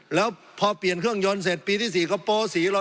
แล้วพอเปลี่ยนเครื่องยนต์เสร็จปีที่๔ก็โปสีรอ